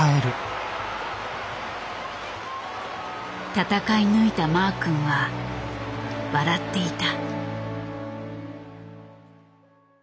戦い抜いたマー君は笑っていた。